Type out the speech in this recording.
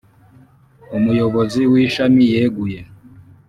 Umuyobozi w ‘Ishami yeguye.